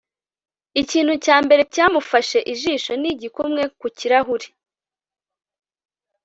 ikintu cya mbere cyamufashe ijisho ni igikumwe ku kirahure